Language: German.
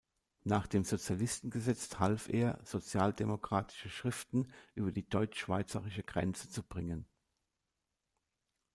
Nach dem Sozialistengesetz half er, sozialdemokratische Schriften über die deutsch-schweizerische Grenze zu bringen.